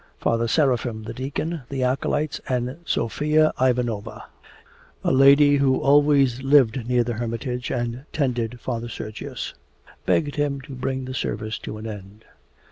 Father Seraphim, the deacon, the acolytes, and Sofya Ivanovna, a lady who always lived near the hermitage and tended Father Sergius, begged him to bring the service to an end.